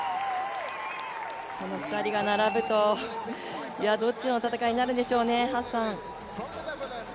この２人が並ぶと、どっちの戦いになるんでしょうね、ハッサン。